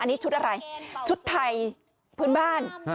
อันนี้ชุดอะไรชุดไทยพื้นบ้าน